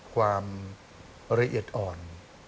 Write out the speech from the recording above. ความละเอียดอ่อน